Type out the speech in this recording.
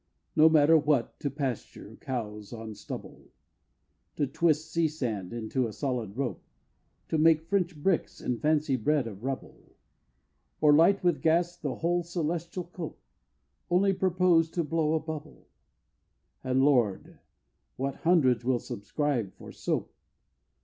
No matter what, to pasture cows on stubble, To twist sea sand into a solid rope, To make French bricks and fancy bread of rubble, Or light with gas the whole celestial cope Only propose to blow a bubble, And Lord! what hundreds will subscribe for soap!